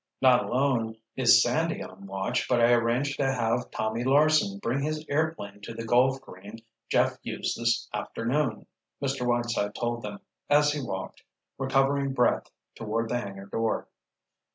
"Not alone is Sandy on watch, but I arranged to have Tommy Larsen bring his airplane to the golf green Jeff used this afternoon," Mr. Whiteside told them, as he walked, recovering breath, toward the hangar door.